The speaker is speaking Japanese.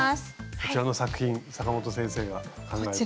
こちらの作品阪本先生が考えた。